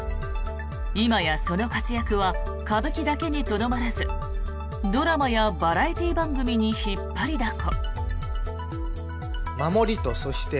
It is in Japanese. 今やその活躍は歌舞伎だけにとどまらずドラマやバラエティー番組に引っ張りだこ。